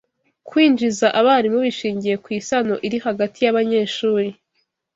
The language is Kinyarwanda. Kwinjiza abarimu bishingiye ku isano iri hagati y’abanyeshuri